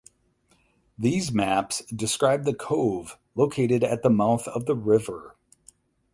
These maps describe the cove located at the mouth of the river.